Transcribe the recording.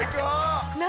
何？